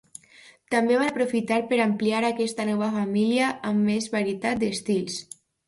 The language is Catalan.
També van aprofitar per ampliar aquesta nova família amb més varietat d'estils.